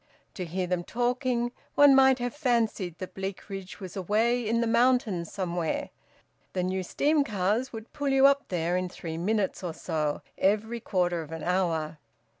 To hear them talking, one might have fancied that Bleakridge was away in the mountains somewhere. The new steam cars would pull you up there in three minutes or so, every quarter of an hour.